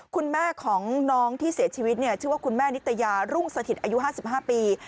คุณแม่ของน้องที่เสียชีวิตชื่อว่าคุณแม่นิตยารุ่งสถิตอายุ๕๕ปี